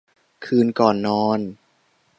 คืนก่อนนอน